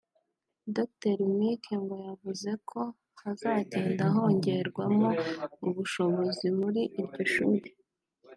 Dr Mike ngo yavuze ko hazagenda hongerwamo ubushobozi muri iryo shuri